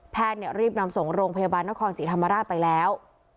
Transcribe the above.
แพทย์เนี่ยรีบนำส่งโรงพยาบาลนครจิธรรมราชไปแล้ว